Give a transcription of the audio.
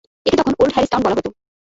একে তখন old Harris town বলা হতো।